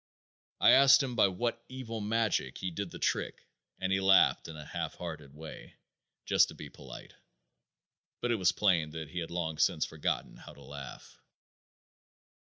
I asked him by what evil magic he did the trick and he laughed in a half hearted way just to be polite, but it was plain that he had long since forgotten how to laugh.